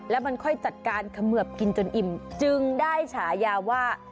แล้วมันค่อยจัดการเขมือบกินจนอิ่มจึงได้ฉายาว่า